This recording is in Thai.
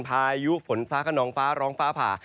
พายุฝนฟ้าขนองฟ้าร้องฟ้าผ่า